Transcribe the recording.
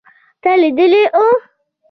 تا لیدلی و